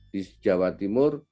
di jawa timur